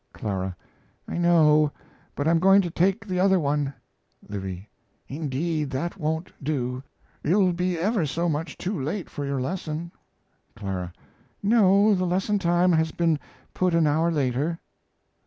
CL. I know, but I'm going to take the other one. L. Indeed that won't do you'll be ever so much too late for your lesson. CL. No, the lesson time has been put an hour later.